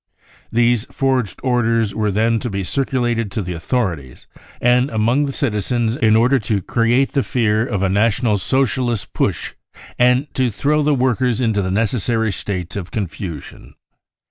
'' These forged orders were • then to be circulated to the authorities and among the , citizens in order to create the fear of a National Socialist putsch and to throw the workers into the necessary state of confusion.